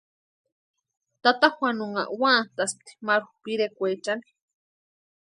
Tata Juanunha úantaspti maru pirekwaechani.